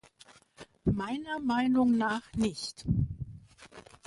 Meiner Meinung nach nicht!